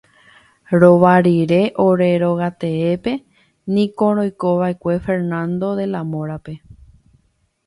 Rova rire ore rogateépe niko roikova'ekue Fernando de la Mora-pe.